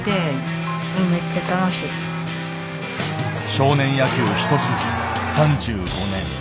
少年野球一筋３５年。